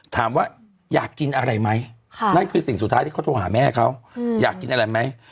ถามว่าอยากกินอะไรไหมนั่นคือสิ่งสุดท้ายที่เขาโทรหาแม่เขาอยากกินอะไรไหม